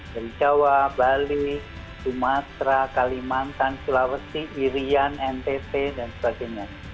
dari jawa bali sumatera kalimantan sulawesi irian ntt dan sebagainya